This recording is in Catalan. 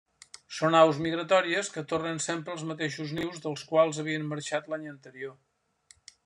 Són aus migratòries que tornen sempre als mateixos nius dels quals havien marxat l'any anterior.